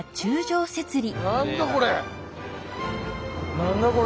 何だこれ？